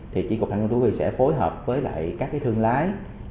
thì trị cục trăn nuôi thú huy sẽ phối hợp với lại các cái thương lái